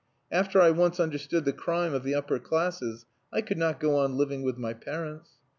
After I once understood the crime of the upper classes, I could not go on living with my parents.